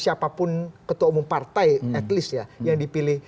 siapapun ketua umum partai at least ya yang dipilih